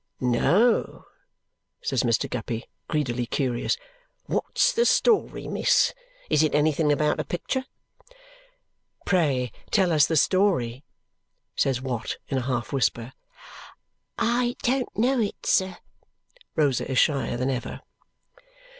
"No?" says Mr. Guppy, greedily curious. "What's the story, miss? Is it anything about a picture?" "Pray tell us the story," says Watt in a half whisper. "I don't know it, sir." Rosa is shyer than ever.